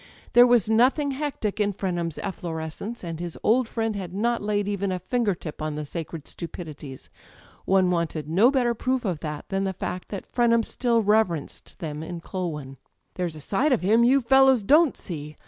There was nothing hectic in Frenham's efflorescence, and his old friend had not laid even a finger tip on the sacred stupidities. One wanted no better proof of that than the fact that Frenham still reverenced them in Culwin. [ 246 ] Digitized by LjOOQ IC THE EYES "There's a sidfs of him you fellows don't see.